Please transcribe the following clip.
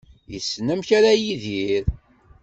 Yessen amek ara yidir.